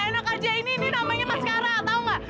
enak aja ini namanya mas kara tau gak